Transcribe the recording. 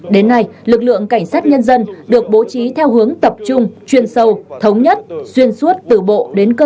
đến nay lực lượng cảnh sát nhân dân được bố trí theo hướng tập trung truyền sâu thống nhất xuyên suốt từ bộ đến cấp